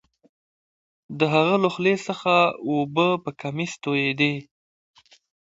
د هغه له خولې څخه اوبه په کمیس تویدې